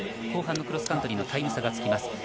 後半のクロスカントリーのタイム差がつきます。